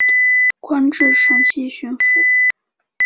官至陕西巡抚。